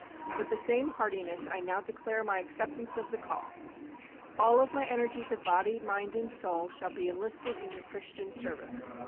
With the same heartiness I now declare my acceptance of the call. All of my energies of body, mind, and soul shall be enlisted in your Christian service.